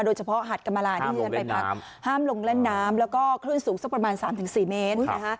โดยเฉพาะหาดกำลาดห้ามลงเล่นน้ำแล้วก็คลื่นสูงสักประมาณสามถึงสี่เมตร